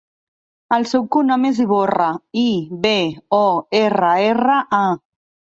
El seu cognom és Iborra: i, be, o, erra, erra, a.